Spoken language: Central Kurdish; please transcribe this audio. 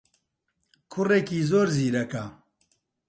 کوڕێکی زۆر زیرەکە.